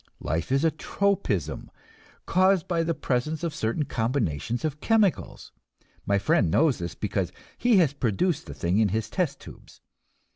Life is a tropism, caused by the presence of certain combinations of chemicals; my friend knows this, because he has produced the thing in his test tubes.